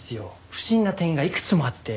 不審な点がいくつもあって。